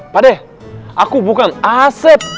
padeh aku bukan asep